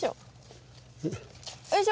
よいしょ。